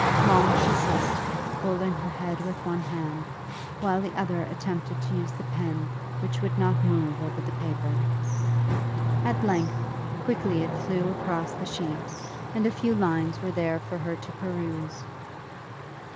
Long she sat, holding her head with one hand, while the other attempted to use the pen which would not move over the paper. At length, quickly it flew across the sheet, and a few lines were there for her to peruse.